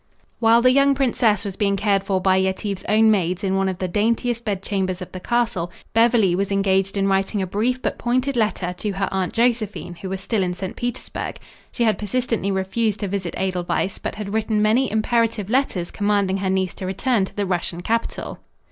While the young princess was being cared for by Yetive's own maids in one of the daintiest bedchambers of the castle, Beverly was engaged in writing a brief but pointed letter to her Aunt Josephine, who was still in St. Petersburg. She had persistently refused to visit Edelweiss, but had written many imperative letters commanding her niece to return to the Russian capital.